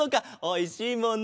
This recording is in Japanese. おいしいもんな！